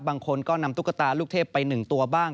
บางคนก็นำตุ๊กตาลูกเทพไป๑ตัวบ้าง